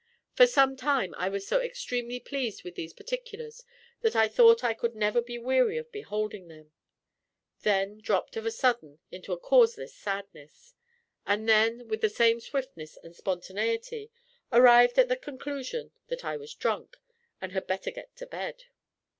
For some while I was so extremely pleased with these particulars that I thought I could never be weary of beholding them: then dropped of a sudden into a causeless sadness; and then, with the same swiftness and spontaneity, arrived at the conclusion that I was drunk and had better get to bed.